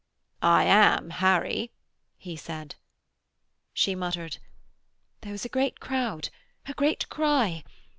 'I am Harry,' he said. She muttered: 'There was a great crowd, a great cry.